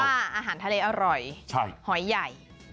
อาหารทะเลอร่อยหอยใหญ่